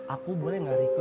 aku boleh gak rico ya